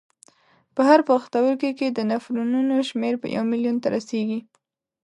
په هر پښتورګي کې د نفرونونو شمېر یو میلیون ته رسېږي.